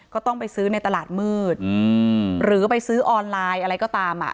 ก็ต้องไปซื้อในตลาดมืดหรือไปซื้อออนไลน์อะไรก็ตามอ่ะ